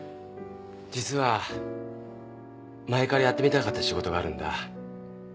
実は前からやってみたかった仕事があるんだ